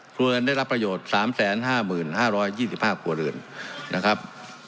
ครัวเรือนได้รับประโยชน์๓๕๕๒๕ครัวเรือนนะครับ